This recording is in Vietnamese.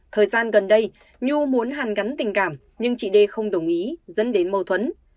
thời gian gần đây nhu muốn hàn gắn tình cảm nhưng chị d không đồng ý dẫn đến mâu thuẫn